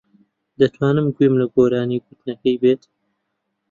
دەتوانم گوێم لە گۆرانی گوتنەکەی بێت.